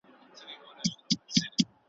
تکرار یې د قلم تقدس ته سپکاوی دی `